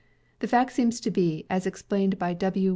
The facts seem to be, as explained by W.